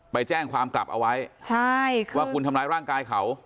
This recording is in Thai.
ไปแจ้งความกลับเอาไว้ใช่ค่ะว่าคุณทำร้ายร่างกายเขา